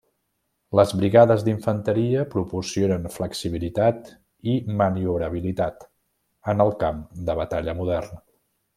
Les brigades d'infanteria proporcionen flexibilitat i maniobrabilitat en el camp de batalla modern.